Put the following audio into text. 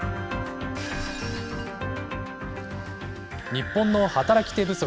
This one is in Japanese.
日本の働き手不足。